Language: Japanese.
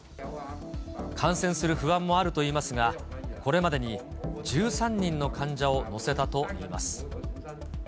感染する不安もあるといいますが、これまでに１３人の患者を乗せたといいます。